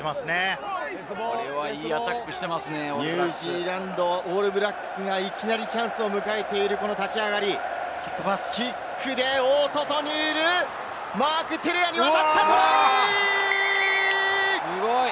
これはいいアタックしてオールブラックスがいきなりチャンスを迎えているこの立ち上がり、キックで大外にいるマーク・テレアに渡った。